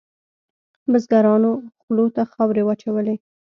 بزګرانو خولو ته خاورې واچولې.